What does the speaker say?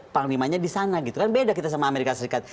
panglimanya di sana gitu kan beda kita sama amerika serikat